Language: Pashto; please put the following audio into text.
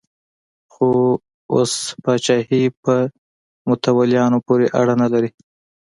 خو اوس پاچاهي په متولیانو پورې اړه نه لري.